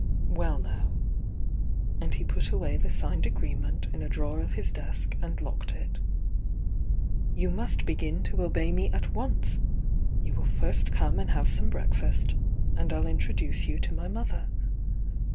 Well, now"— and he put away the signed agreement in a drawer of his desk and locked it — "you must begin to obey me at once! You will first come and have Fime breakfast, and I'll intro duce you to my mother.